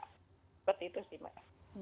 seperti itu sih mbak